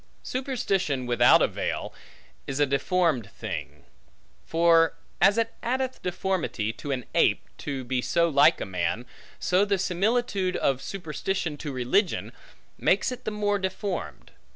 Superstition, without a veil, is a deformed thing; for, as it addeth deformity to an ape, to be so like a man, so the similitude of superstition to religion, makes it the more deformed.